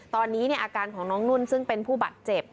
ตอนนี้อาการของน้องนุ่นซึ่งเป็นผู้บาดเจ็บ